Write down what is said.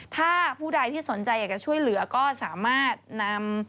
ถ้าผู้ใดที่สนใจอยากจะช่วยเหลือก็สามารถนำ